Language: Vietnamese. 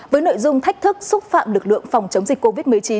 với nội dung thách thức xúc phạm lực lượng phòng chống dịch covid một mươi chín